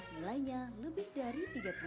nilainya lebih dari tiga puluh